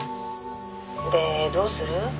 「でどうする？